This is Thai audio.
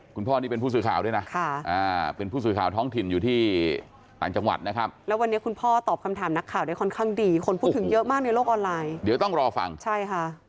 คุณพ่อใส่เสื้อยืดสีน้ำตาลอ่ะครับใช่